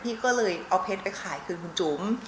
พี่ก็เลยเอาเพชรไปขายคืนคุณจุ๋ม